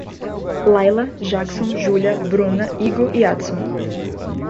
Laila, Jakson, Julha, Bruna, Igor e Adson